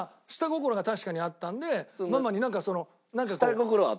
ママになんかその。